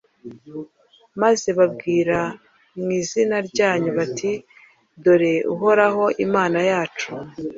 maze bambwira mu izina ryanyu bati «dore uhoraho imana yacu.